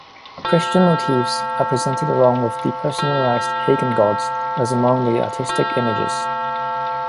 Christian motifs are presented along with depersonalised pagan gods as among the artistic images.